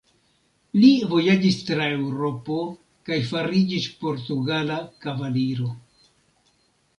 Li vojaĝis tra Eŭropo kaj fariĝis portugala kavaliro.